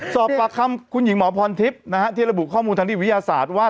สอบปากคำคุณหญิงหมอพรทิพย์ที่ระบุข้อมูลทางที่วิทยาศาสตร์ว่า